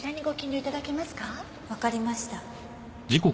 わかりました。